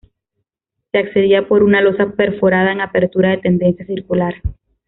Se accedía por una losa perforada en apertura de tendencia circular.